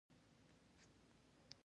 هندوکش د افغانستان د طبیعي زیرمو برخه ده.